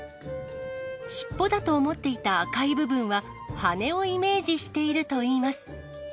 尻尾だと思っていた赤い部分は、羽をイメージしているといいます。